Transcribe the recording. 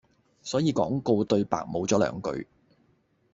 所以廣告對白無咗兩句